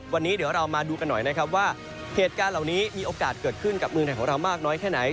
วันนี้เดี๋ยวเรามาดูกันหน่อยนะครับว่าเหตุการณ์เหล่านี้มีโอกาสเกิดขึ้นกับเมืองไทยของเรามากน้อยแค่ไหน